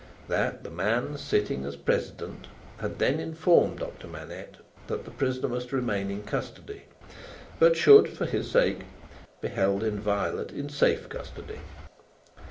That, the man sitting as President had then informed Doctor Manette that the prisoner must remain in custody, but should, for his sake, be held inviolate in safe custody.